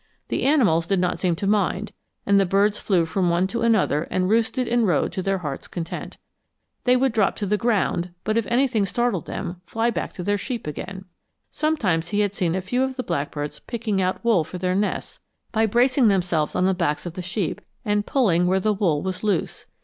The animals did not seem to mind, and the birds flew from one to another and roosted and rode to their heart's content. They would drop to the ground, but if anything startled them, fly back to their sheep again. Sometimes he had seen a few of the blackbirds picking out wool for their nests by bracing themselves on the backs of the sheep, and pulling where the wool was loose.